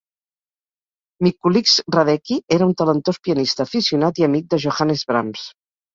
Mikulicz-Radecki era un talentós pianista aficionat i amic de Johannes Brahms.